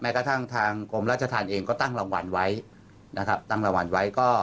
แม้กระทั่งทางกรมราชทานเองก็ตั้งรางวัลไว้นะครับ